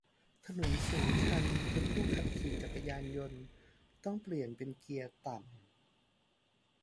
ถนนสูงชันจนผู้ขับขี่จักรยานยนต์ต้องเปลี่ยนเป็นเกียร์ต่ำ